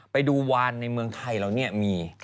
ไปดูวานในเมืองไทยเราเนี่ยมี